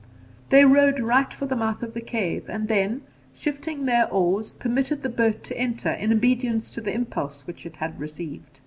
They rowed right for the mouth of the cave, and then, shifting their oars, permitted the boat to enter in obedience to the impulse which it had received.